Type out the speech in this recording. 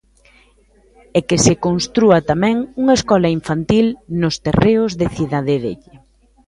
E que se constrúa tamén unha escola infantil nos terreos de Cidadelle.